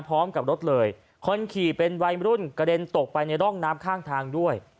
พร้อมกับรถเลยคนขี่เป็นวัยรุ่นกระเด็นตกไปในร่องน้ำข้างทางด้วย